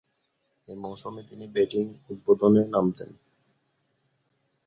এ মৌসুমে তিনি ব্যাটিং উদ্বোধনে নামতেন।